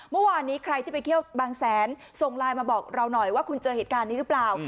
เมื่อวานนี้ใครที่ไปเที่ยวบางแสนส่งไลน์มาบอกเราหน่อยว่าคุณเจอเหตุการณ์นี้หรือเปล่า